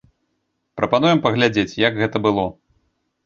Прапануем паглядзець, як гэта было.